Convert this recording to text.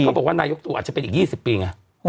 บอกว่านายกตู่อาจจะเป็นอีก๒๐ปีไง